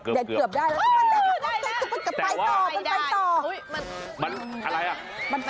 เร่งได้ไปต่อ